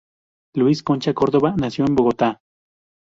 Luis Concha Córdoba nació en Bogotá.